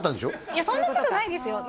いやそんなことないですよ